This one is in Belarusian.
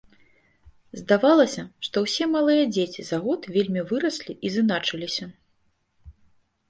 Здавалася, што ўсе малыя дзеці за год вельмі выраслі і зыначыліся.